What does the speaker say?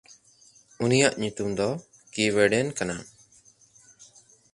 ᱩᱱᱤᱭᱟᱜ ᱧᱩᱛᱩᱢ ᱫᱚ ᱠᱤᱣᱮᱰᱮᱱ ᱠᱟᱱᱟ᱾